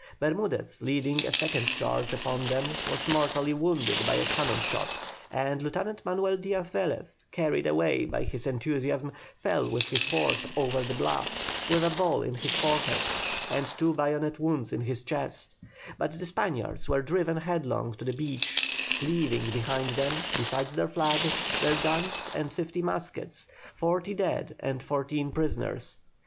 Bermudez leading a second charge upon them was mortally wounded by a cannon shot, and Lieutenant Manuel Diaz Velez, carried away by his enthusiasm, fell with his horse over the bluff, with a ball in his forehead, and two bayonet wounds in his chest, but the Spaniards were driven headlong to the beach, leaving behind them, besides their flag, their guns and fifty muskets, forty dead and fourteen prisoners.